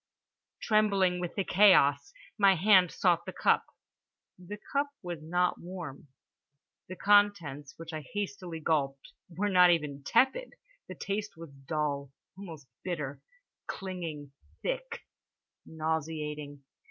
Trembling with this chaos, my hand sought the cup. The cup was not warm; the contents, which I hastily gulped, were not even tepid. The taste was dull, almost bitter, clinging, thick, nauseating.